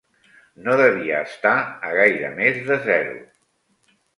No devia estar a gaire més de zero.